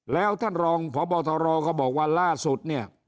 แล้วท่านรองพบทรก็บอกว่าล่าสุดเนี่ย